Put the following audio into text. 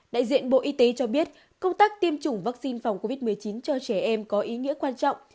đại diện bộ y tế cho biết công tác tiêm chủng vaccine phòng covid một mươi chín cho trẻ em có ý nghĩa quan trọng